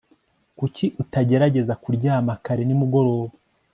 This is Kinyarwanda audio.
Kuki utagerageza kuryama kare nimugoroba